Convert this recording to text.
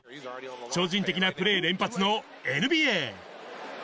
超人的なプレー連発のＮＢＡ。